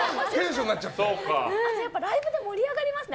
あと、ライブで盛り上がりますね。